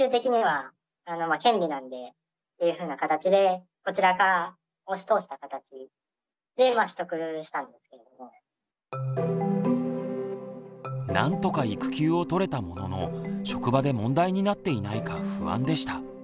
早速なんとか育休をとれたものの職場で問題になっていないか不安でした。